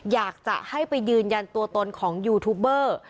อยากจะให้ไปยืนยันตัวตนของยูทูบเบอร์